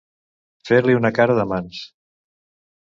Fer-li una cara de mans.